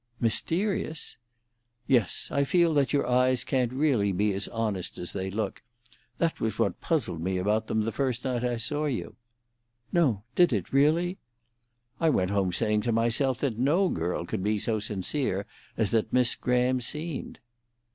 "Mysterious?" "Yes, I feel that your eyes can't really be as honest as they look. That was what puzzled me about them the first night I saw you." "No—did it, really?" "I went home saying to myself that no girl could be so sincere as that Miss Graham seemed."